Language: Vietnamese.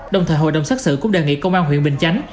đồng thời hội đồng xác sự cũng đề nghị công an huyện bình chánh